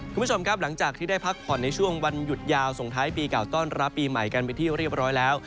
คุณผู้ชมครับหลังจากที่ได้พักผ่อนในช่วงวันหยุดยาวส่งท้ายปีเก่าต้อนรับปีใหม่กันเป็นที่เรียบร้อยแล้ว